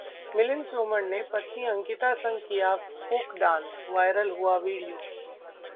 मिलिंद सोमन ने पत्नी अंकिता संग किया फोक डांस, वायरल हुआ वीडियो